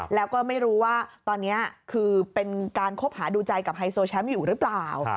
แล้วก็ไม่รู้ว่าตอนนี้คือเป็นการคบหาดูใจกับไฮโซแชมป์อยู่หรือเปล่า